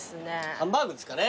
ハンバーグですかね。